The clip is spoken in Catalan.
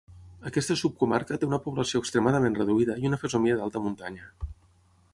Aquesta subcomarca té una població extremadament reduïda i una fesomia d'alta muntanya.